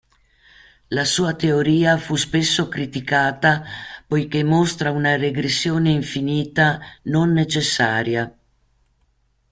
La sua teoria fu spesso criticata poiché mostra una regressione infinita non necessaria.